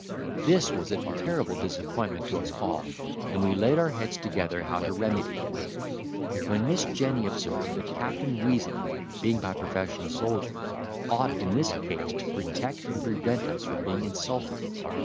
This was a terrible disappointment to us all; and we laid our heads together how to remedy it; when Miss Jenny observed that Captain Weazel, being by profession a soldier, ought in this case to protect and prevent us from being insulted.